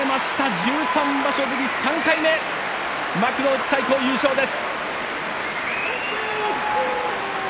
１３場所ぶり３回目の優勝幕内最高優勝です。